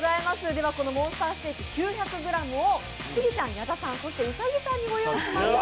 では、このモンスターステーキ９００ｇをスギちゃん、矢田さん、そして兎さんに御用意しました。